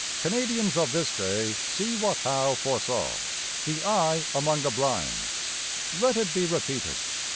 Canadians of this day see what Howe foresaw the eye among the blind. Let it be repeated.